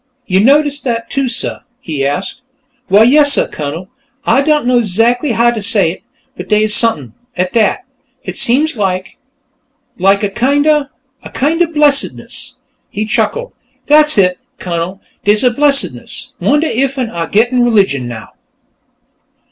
"Yo' notice dat, too, suh?" he asked. "Why, yessuh, Cunnel; Ah don' know 'zackly how t' say hit, but dey is som'n, at dat. Hit seems like ... like a kinda ... a kinda blessedness." He chuckled. "Dat's hit, Cunnel; dey's a blessedness. Wondeh iffen Ah's gittin' r'ligion, now?"